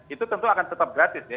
itu tentu akan tetap gratis ya